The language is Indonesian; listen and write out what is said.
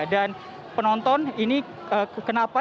dan penonton ini kenapa